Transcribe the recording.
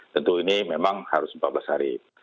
tentu ini memang harus empat belas hari